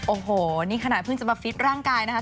โอ้โหนี่ขนาดเพิ่งจะมาฟิตร่างกายนะคะ